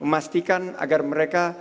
memastikan agar mereka